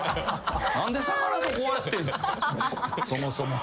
何で魚とこうやってんすかそもそも。